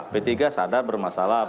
p tiga sadar bermasalah